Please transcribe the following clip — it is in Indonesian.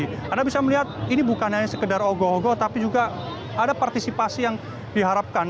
jadi saya melihat ini bukan hanya sekedar ogo ogo tapi juga ada partisipasi yang diharapkan